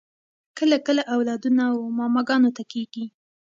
کله کله اولادونه و ماماګانو ته کیږي